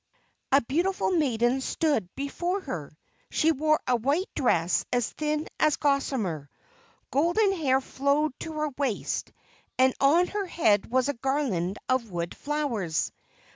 a beautiful maiden stood before her. She wore a white dress as thin as gossamer, golden hair flowed to her waist, and on her head was a garland of wood flowers.